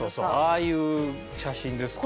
ああいう写真ですから。